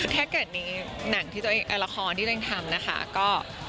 แค่เกิดนี้หนังที่ตัวเองละครที่เริ่มทำนะคะก็